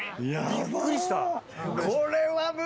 びっくりした！